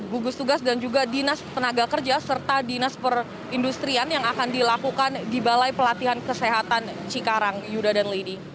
gugus tugas dan juga dinas tenaga kerja serta dinas perindustrian yang akan dilakukan di balai pelatihan kesehatan cikarang yuda dan lady